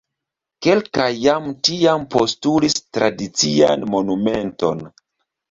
Kelkaj jam tiam postulis tradician monumenton.